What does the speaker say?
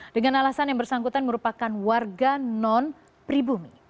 dengan alasan yang bersangkutan merupakan warga non pribumi